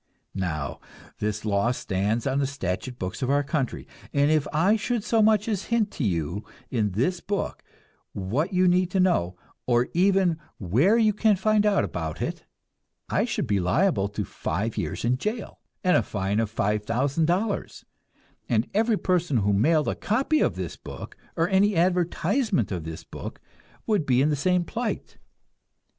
Now this law stands on the statute books of our country, and if I should so much as hint to you in this book what you need to know, or even where you can find out about it, I should be liable to five years in jail and a fine of $5,000, and every person who mailed a copy of this book, or any advertisement of this book, would be in the same plight.